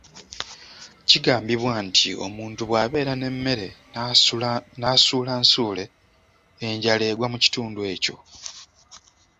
Kigambibwa nti omuntu bw'abeera n'emmere n'asuula nsuule, enjala egwa mu kitundu ekyo.